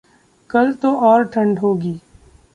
कल तो और ठंड होगी।